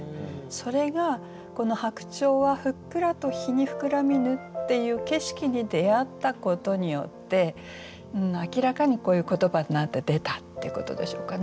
それがこの「白鳥はふっくらと陽にふくらみぬ」っていう景色に出会ったことによって明らかにこういう言葉になって出たってことでしょうかね。